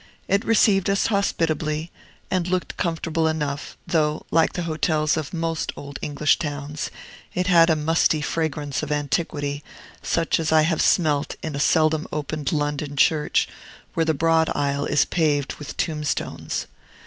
It received us hospitably, and looked comfortable enough; though, like the hotels of most old English towns, it had a musty fragrance of antiquity, such as I have smelt in a seldom opened London church where the broad aisle is paved with tombstones.